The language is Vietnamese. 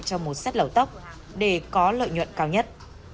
cho một xét lầu tốc để có lợi nhuận cao nhất